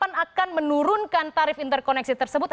kapan akan menurunkan tarif interkoneksi tersebut